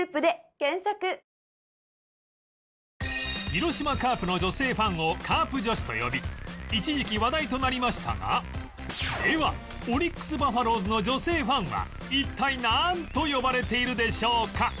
広島カープの女性ファンをカープ女子と呼び一時期話題となりましたがではオリックス・バファローズの女性ファンは一体なんと呼ばれているでしょうか？